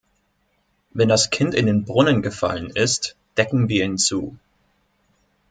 Wenn das Kind in den Brunnen gefallen ist, decken wir ihn zu.